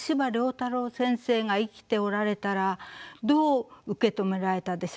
太郎先生が生きておられたらどう受け止められたでしょうか。